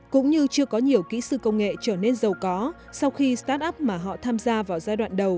cũng như chưa có nhiều kỹ sư công nghệ trở nên giàu có sau khi start up mà họ tham gia vào giai đoạn đầu